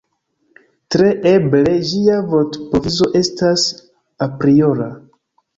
Tre eble ĝia vortprovizo estas apriora.